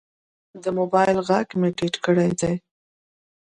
د موبایل غږ مې ټیټ کړی دی.